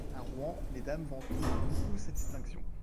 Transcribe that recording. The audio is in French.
A Rouen, les dames vantaient beaucoup sa distinction.